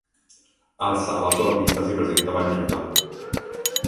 Al sabato la pista si presenta bagnata.